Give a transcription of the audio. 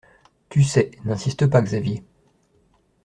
Tu sais. N’insiste pas, Xavier.